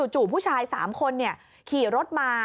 จู่ผู้ชาย๓คนขี่รถมา